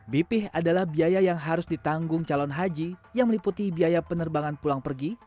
bph adalah biaya yang harus ditanggung calon haji yang meliputi biaya penerbangan pulang pergi